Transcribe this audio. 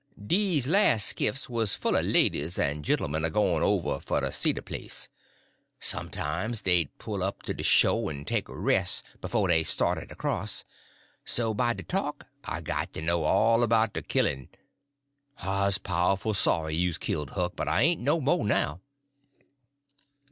Dese las' skifts wuz full o' ladies en genlmen a goin' over for to see de place. Sometimes dey'd pull up at de sho' en take a res' b'fo' dey started acrost, so by de talk I got to know all 'bout de killin'. I 'uz powerful sorry you's killed, Huck, but I ain't no mo' now.